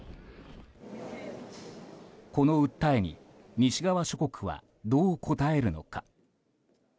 この訴えに西側諸国はどう応えるのか。